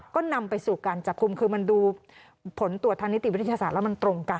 ก็นำไปสู่การจับกลุ่มคือมันดูผลตรวจทางนิติวิทยาศาสตร์แล้วมันตรงกัน